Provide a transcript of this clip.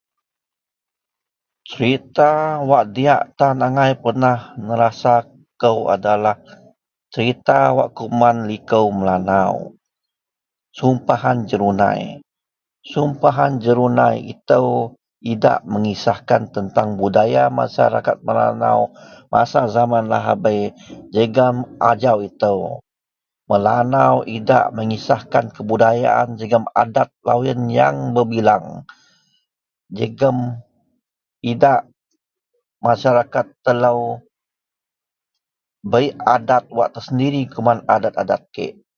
"Serita wak diyak tan angai pernah nerasa kou adalah serita wak kuman liko Melanau ""Sumpahan Jerunai"". Sumpahan jerunei ito idak mengisahkan tentang budaya masaraket Melanau masa zaman lahabei jegem ajau ito Melanau idak mengisahkan kebudayaan jegem adat loyen yang berbilang jegem idak masaraket telo bei adat wak tersendiri kuman adat-adat kiek."